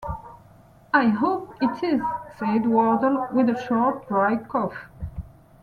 ‘I hope it is,’ said Wardle, with a short, dry cough.